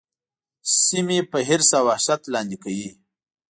سیمې په حرص او وحشت لاندي کوي.